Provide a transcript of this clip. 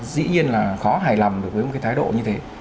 dĩ nhiên là khó hài lòng được với một cái thái độ như thế